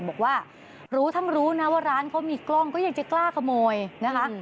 บอกว่ารู้ทั้งรู้นะว่าร้านเขามีกล้องก็ยังจะกล้าขโมยนะคะ